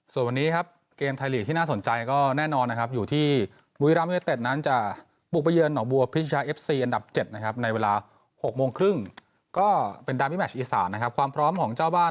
ส่วนวันนี้เกมไทยหลีกที่น่าสนใจก็แน่นอนนะครับ